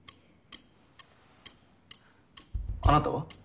あなたは？